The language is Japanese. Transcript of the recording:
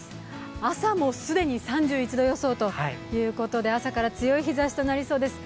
朝も既に３１度予想と、朝から強い日ざしとなりそうです。